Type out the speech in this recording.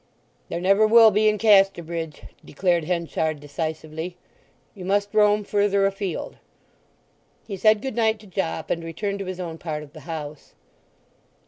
"There never will be in Casterbridge," declared Henchard decisively. "You must roam further afield." He said goodnight to Jopp, and returned to his own part of the house.